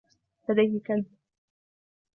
لديه كلب.